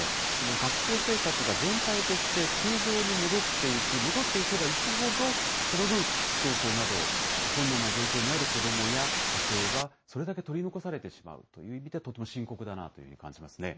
学校生活が全体として通常に戻っていく、戻っていけばいくほど、その分、不登校など、困難な状況にある子どもや家庭は、それだけ取り残されてしまうという意味で、とても深刻だなというふうに感じますね。